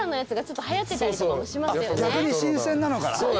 逆に新鮮なのかな？